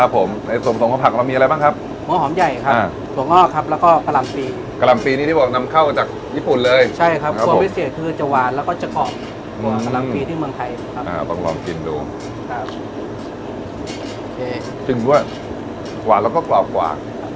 ครับผมในส่วนส่วนของผักเรามีอะไรบ้างครับหม้อหอมใหญ่ครับอ่า